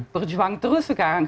berjuang terus sekarang